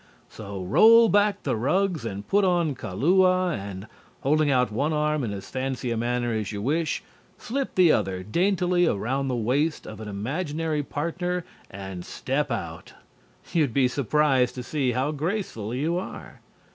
So roll back the rugs and put on "Kalua" and, holding out one arm in as fancy a manner as you wish, slip the other daintily about the waist of an imaginary partner and step out. You'd be surprised to see how graceful you are.